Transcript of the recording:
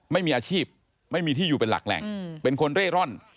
ไม่มีอาชีพไม่มีที่อยู่เป็นหลักแหล่งเป็นคนเร่ร่อน